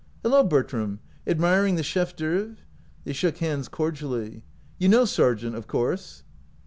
" Hello, Bertram ! admiring the chef d'oeuvre?" They shook hands cordially. "You know Sargent, of course?"